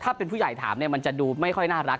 ถ้าเป็นผู้ใหญ่ถามเนี่ยมันจะดูไม่ค่อยน่ารัก